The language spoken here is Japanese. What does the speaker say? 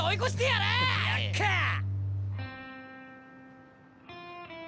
やっかあ！